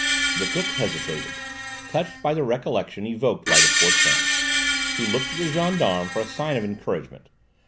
The cook hesitated, touched by the recollections evoked by the poor tramp; she looked at the gendarme for a sign of encouragement.